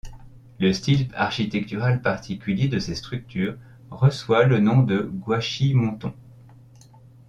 Le style architectural particulier de ces structures reçoit le nom de Guachimontón.